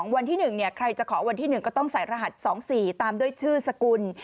วันที่๑ใครจะขอวันที่๑ก็ต้องใส่รหัส๒๔ตามด้วยชื่อสกุล